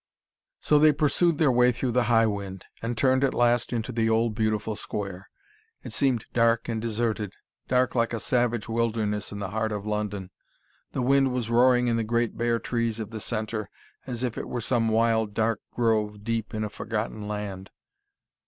So they pursued their way through the high wind, and turned at last into the old, beautiful square. It seemed dark and deserted, dark like a savage wilderness in the heart of London. The wind was roaring in the great bare trees of the centre, as if it were some wild dark grove deep in a forgotten land.